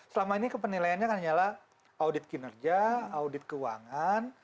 selama ini penilaiannya hanyalah audit kinerja audit keuangan